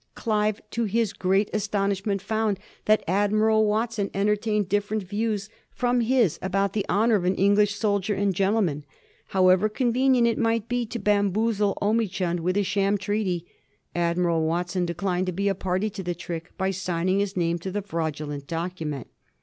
Clive, to bis great astonishment, found that Admiral Watson entertained dif ferent views from his about the honor of an English soldier and gentleman. However convenient it might be to bamboozle Omichund with a sham treaty. Admiral Watson declined to be a party to the trick by signing his name to the fraudulent document.